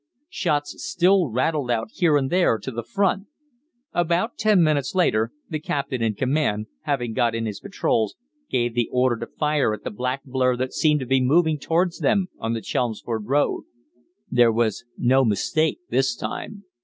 Shots still rattled out here and there to the front. About ten minutes later the captain in command, having got in his patrols, gave the order to fire at a black blur that seemed to be moving towards them on the Chelmsford Road. There was no mistake this time.